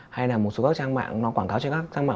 hay là một số các trang mạng nó quảng cáo cho các trang mạng